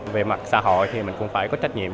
về mặt xã hội thì mình cũng phải có trách nhiệm